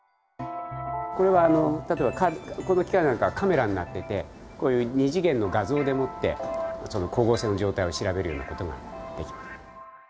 これは例えばこの機械なんかはカメラになっててこういう２次元の画像でもって光合成の状態を調べるような事ができる。